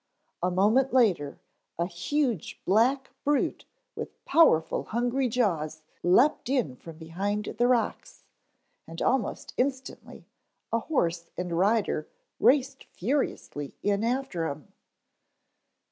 A moment later a huge black brute with powerful hungry jaws leaped in from behind the rocks, and almost instantly a horse and rider raced furiously in after him.